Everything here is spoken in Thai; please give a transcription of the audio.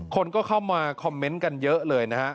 คนก็เข้ามาคอมเมนต์กันเยอะเลยนะฮะ